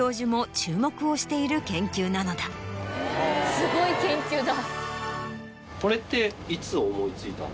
すごい研究だ。